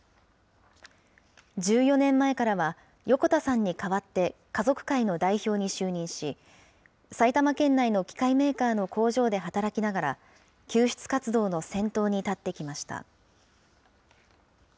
１４年前からは、横田さんに代わって家族会の代表に就任し、埼玉県内の機械メーカーの工場で働きながら、救出活動の先頭に立ってきました。